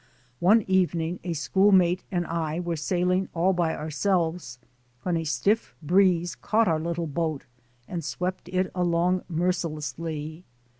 One evening a school mate and I were sailing all by ourselves, when a stiff breeze caught our little boat and swept it along mercilessly.